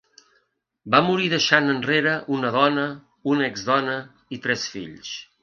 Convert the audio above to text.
Va morir deixant enrere una dona, una ex-dona i tres fills.